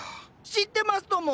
知ってますとも！